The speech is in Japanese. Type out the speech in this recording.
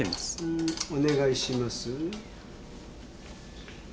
んーお願いします。